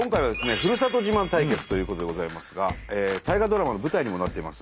ふるさと自慢対決ということでございますが大河ドラマの舞台にもなっています